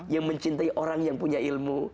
yang mencintai orang yang punya ilmu